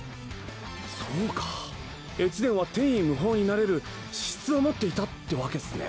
そうか越前は天衣無縫になれる資質を持っていたってわけっすね。